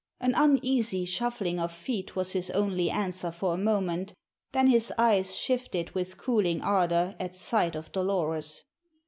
An uneasy shuffling of feet was his only answer for a moment; then his eyes shifted with cooling ardor at sight of Dolores.